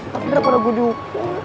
tapi daripada gua dukung